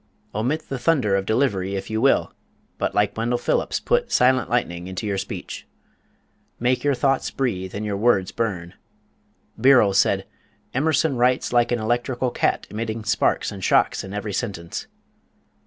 Omit the thunder of delivery, if you will, but like Wendell Phillips put "silent lightning" into your speech. Make your thoughts breathe and your words burn. Birrell said: "Emerson writes like an electrical cat emitting sparks and shocks in every sentence."